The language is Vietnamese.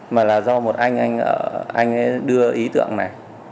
mà là do một anh đưa ý tượng này